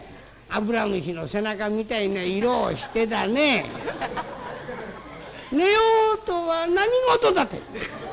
油虫の背中みたいな色をしてだね『寝よう』とは何事だってえ。